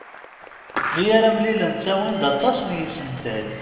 Mi ara mlilen ttawin-d aṭas n yisental.